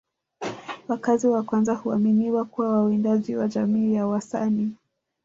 Wakazi wa kwanza huaminiwa kuwa wawindaji wa jamii ya Wasani